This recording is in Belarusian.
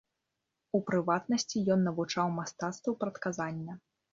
У прыватнасці ён навучаў мастацтву прадказання.